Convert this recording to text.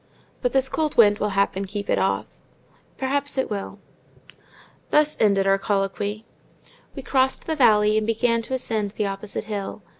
"But this cold wind will happen keep it off." "Perhaps it will." Here ended our colloquy. We crossed the valley, and began to ascend the opposite hill.